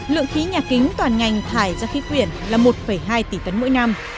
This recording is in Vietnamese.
lượng khí nhà kính toàn ngành thải ra khí quyển là một hai tỷ tấn mỗi năm